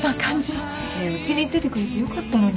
ねえうちに行っててくれてよかったのに。